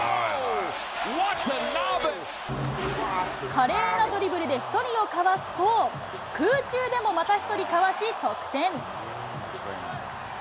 華麗なドリブルで１人をかわすと、空中でもまた１人かわし、得点。